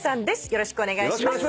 よろしくお願いします。